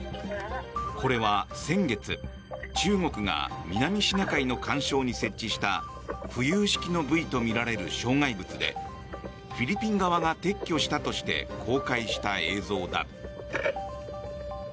これは先月、中国が南シナ海の環礁に設置した浮遊式のブイとみられる障害物でフィリピン側が撤去したとして公開した映像だ。